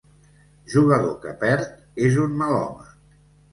Jugador que perd és un mal home.